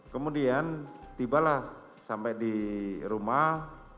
kemudian tiba lah sampai di rumah